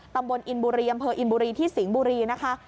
ตำบลอินบุรีอำเภออินบุรีที่สิงห์บุรีนะคะ